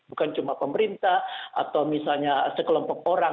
bukan cuma pemerintah atau misalnya sekelompok orang